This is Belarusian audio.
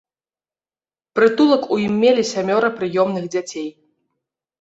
Прытулак у ім мелі сямёра прыёмных дзяцей.